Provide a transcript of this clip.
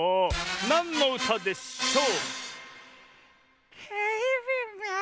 なんのうたでしょう？